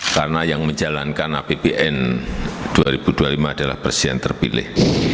karena yang menjalankan rapbn dua ribu dua puluh lima adalah presiden terpilih